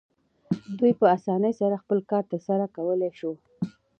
دوی په اسانۍ سره خپل کار ترسره کولی شو.